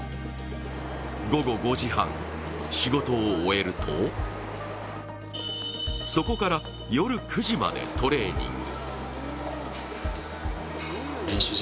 午後５時半、仕事を終えるとそこから、夜９時までトレーニング。